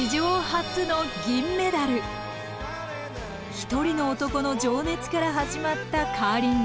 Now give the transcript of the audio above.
一人の男の情熱から始まったカーリング。